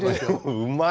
うまい。